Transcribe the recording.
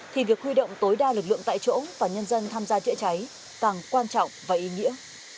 thì việc huy động tối đa lực lượng tại chỗ và nhân dân tham gia chữa cháy càng quan trọng và ý nghĩa